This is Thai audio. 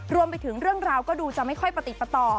รวมไปถึงเรื่องราวก็ดูจะไม่ค่อยประติดประต่อ